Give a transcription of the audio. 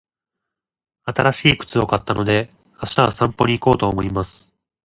新しい靴を買ったので、明日は散歩に行こうと思います。